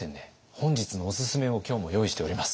本日のおすすめを今日も用意しております。